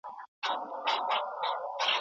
څوک چي عمل کوي هغه ګټونکی دی.